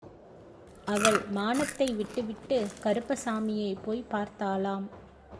அவள் மானத்தை விட்டுவிட்டு, கருப்பசாமியை போய் பார்த்தாளாம்.